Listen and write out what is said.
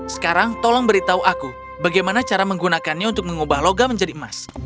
sekarang tolong beritahu aku bagaimana cara menggunakannya untuk mengubah logam menjadi emas